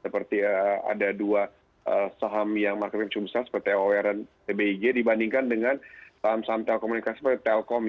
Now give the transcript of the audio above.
seperti ada dua saham yang market yang cumsel seperti orn tbig dibandingkan dengan saham saham telekomunikasi seperti telkom ya